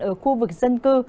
ở khu vực dân cư